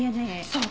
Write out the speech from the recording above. そう。